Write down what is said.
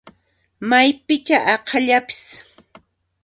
Maypichá aqhallapis!